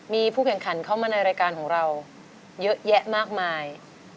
มีผู้แข่งขันเข้ามาในรายการของเราเยอะแยะมากมาย